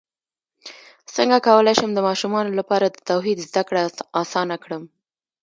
څنګه کولی شم د ماشومانو لپاره د توحید زدکړه اسانه کړم